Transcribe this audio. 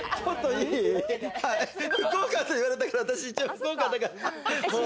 福岡って言われたから、私、一応、福岡だから。